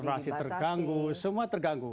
transportasi terganggu semua terganggu